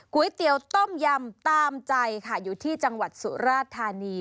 ก๋วยเตี๋ยวต้มยำตามใจค่ะอยู่ที่จังหวัดสุราธานี